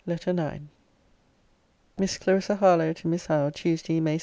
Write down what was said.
LETTER IX MISS CLARISSA HARLOWE, TO MISS HOWE TUESDAY, MAY 2.